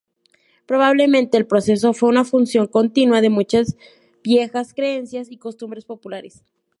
Probablemente el proceso fue una fusión continua de muchas viejas creencias y costumbres populares.